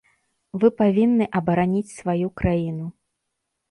Вы павінны абараніць сваю краіну.